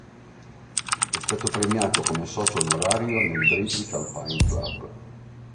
È stato premiato come socio onorario nel British Alpine Club.